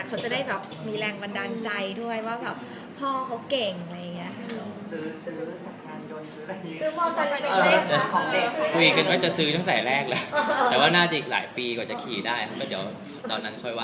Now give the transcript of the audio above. ถ้าให้ผลลูกจะเดินได้ไอ้พวกของเล่นมันน่าจะพัฒนาไปไกลแล้ว